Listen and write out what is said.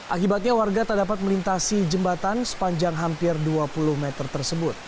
akibatnya warga tak dapat melintasi jembatan sepanjang hampir dua puluh meter tersebut